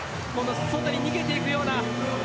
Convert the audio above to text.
外に逃げていくような。